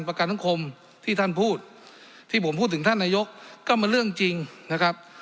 ประกันสังคมที่ท่านพูดที่ผมพูดถึงท่านนายกก็มันเรื่องจริงนะครับ